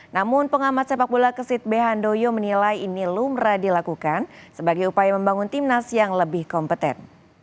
namun pengamat sepak bola kesit b handoyo menilai ini lumrah dilakukan sebagai upaya membangun timnas yang lebih kompeten